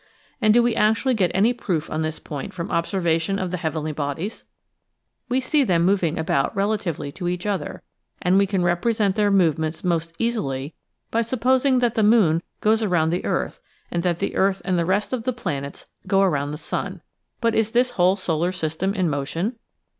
And do we actually get any proof on this point from observation of the heavenly bodies ? We see them moving about relatively to each other and we can represent their movements most easily by supposing that the moon goes around the earth and that the earth and the rest of the planets go around the sun. But is this whole solar system in motion?